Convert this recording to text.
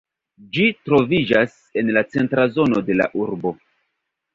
Ĝi troviĝas en la centra zono de la urbo.